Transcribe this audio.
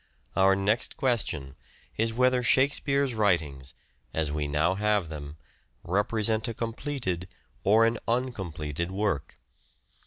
Our next question is whether Shake speare's writings, as we now have them, represent a completed or an uncompleted work.